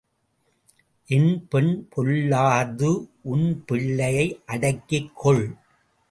என் பெண் பொல்லாது உன் பிள்ளையை அடக்கிக் கொள்.